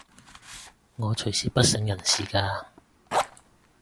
我隨時不省人事㗎